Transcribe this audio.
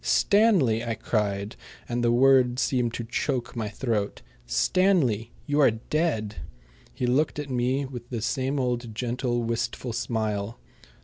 "Stanley!" I cried, and the words seemed to choke my throat "Stanley, you are dead." He looked at me with the same old gentle, wistful smile.